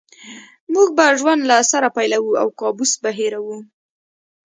موږ به ژوند له سره پیلوو او کابوس به هېروو